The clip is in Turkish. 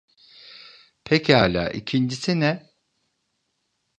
Pekâlâ, ikincisine?